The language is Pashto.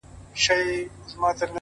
• نن که یې ماشومه سبا پېغله ښایسته یې ,